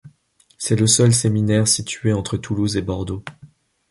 C'est le seul séminaire situé entre Toulouse et Bordeaux.